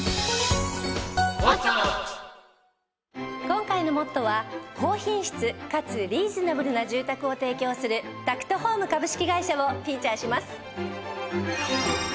今回の『ＭＯＴＴＯ！！』は高品質かつリーズナブルな住宅を提供するタクトホーム株式会社をフィーチャーします。